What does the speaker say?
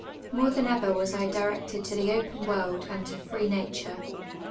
More Uian ever was 1 directed to the open world and to free nature.